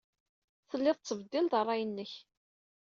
Telliḍ tettbeddileḍ ṛṛay-nnek.